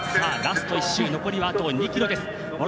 ラスト１周、残りはあと２ｋｍです。